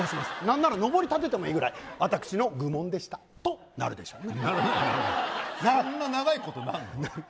「何ならのぼり立ててもいいぐらい私の愚問でした」となるでしょうねならないならないなるなる